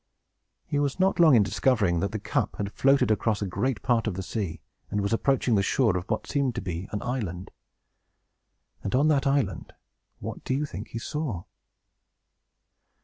He was not long in discovering that the cup had floated across a great part of the sea, and was approaching the shore of what seemed to be an island. And, on that island, what do you think he saw?